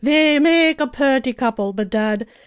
They make a purty couple, bedad!